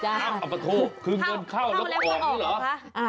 อับปะโถคือเงินเข้าแล้วก็ออกหรือเหรอ